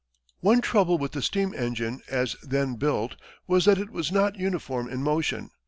One trouble with the steam engine as then built was that it was not uniform in motion.